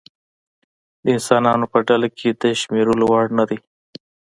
د انسانانو په ډله کې د شمېرلو وړ نه دی.